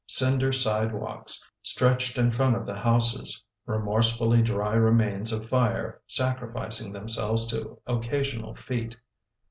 Cinder side walks stretched in front of the houses — remorse fully dry remains of fire, sacrificing themselves to occa sional feet.